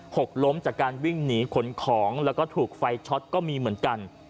หกล้มจากการวิ่งหนีขนของแล้วก็ถูกไฟช็อตก็มีเหมือนกัน